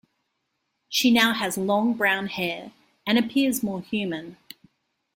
She now has long brown hair, and appears more human.